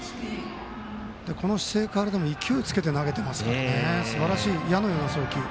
この姿勢からでも勢いつけて投げていますからすばらしい矢のような送球。